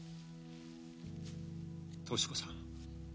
敏子さん